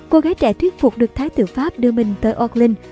cô gái trẻ thuyết phục được thái tử pháp đưa mình tới orklyn